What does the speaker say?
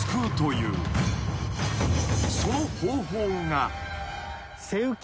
［その方法が］